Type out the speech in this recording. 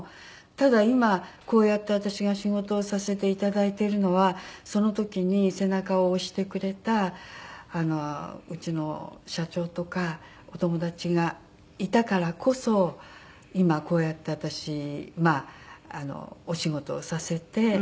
ただ今こうやって私が仕事をさせて頂いているのはその時に背中を押してくれたうちの社長とかお友達がいたからこそ今こうやって私まあお仕事をさせて。